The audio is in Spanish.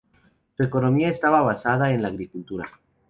Su economía estaba basada en la agricultura.